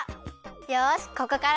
よしここからは。